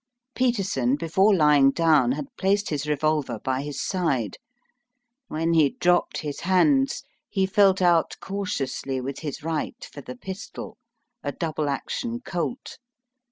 Peterson, before lying down, had placed his revolver by his side. When he dropped his hands he felt out cautiously with his right for the pistol, a double action Colt.